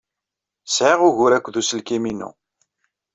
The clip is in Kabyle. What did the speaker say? Sɛiɣ ugur akked uselkim-inu.